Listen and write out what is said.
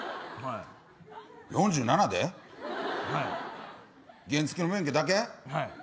４７で原付の免許だけ。